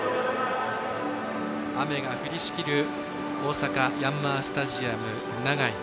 雨が降りしきる大阪のヤンマースタジアム長居。